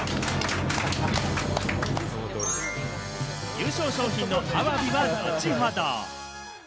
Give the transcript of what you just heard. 優勝賞品のアワビは後ほど！